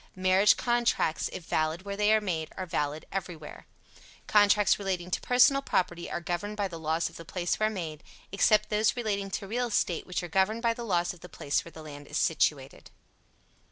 Marriage contracts, if valid where they are made, are valid everywhere. Contracts relating to personal property are governed by the laws of the place where made, except those relating to real estate, which are governed by the laws of the place where the land is situated.